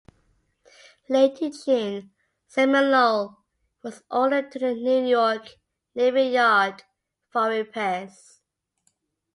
Late in June, "Seminole" was ordered to the New York Navy Yard for repairs.